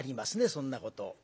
そんなこと。